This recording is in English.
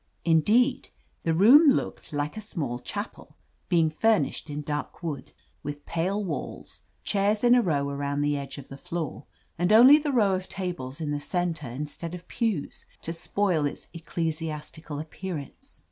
Indeed, the room looked like a small chapel, being finished in dark wood, with pale walls, chairs in a row aroimd the edge of the floor, and only the row of tables in the center instead of pews, to spoil its ecclesiastical appearance.